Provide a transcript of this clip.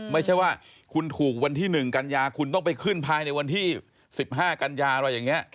ไม่ใช่ว่าคุณถูกวันที่๑กันยาคุณต้องไปขึ้นภายในวันที่๑๕กันยาอะไรอย่างนี้